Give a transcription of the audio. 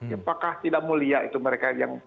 apakah tidak mulia itu mereka yang